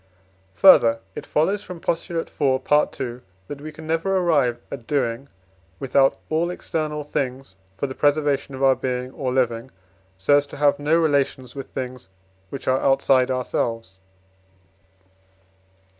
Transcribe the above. Further, it follows from Postulate iv., Part II., that we can never arrive at doing without all external things for the preservation of our being or living, so as to have no relations with things which are outside ourselves.